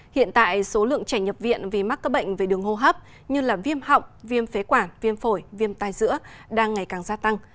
hiện tại số lượng trẻ nhập viện vì mắc các bệnh về đường hô hấp như viêm họng viêm phế quản viêm phổi viêm tai dữa đang ngày càng gia tăng